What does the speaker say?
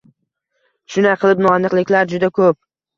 Shunday qilib, noaniqliklar juda ko'p